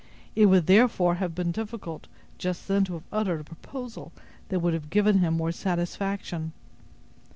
It would, therefore, have been difficult, just then to have uttered a proposal that would have given him more satisfaction.